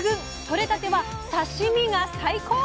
取れたては刺身が最高！